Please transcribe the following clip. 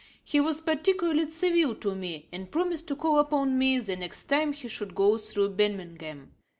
He was particularly civil to me, and promised to call upon me the next time he should go through Birmingham.